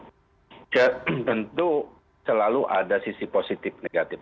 ya tentu selalu ada sisi positif negatif